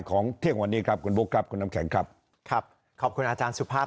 เที่ยงวันนี้ครับคุณบุ๊คครับคุณน้ำแข็งครับครับขอบคุณอาจารย์สุภาพ